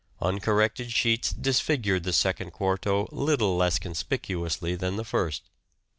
Uncorrected sheets disfigured the second quarto little less conspicuously than the first."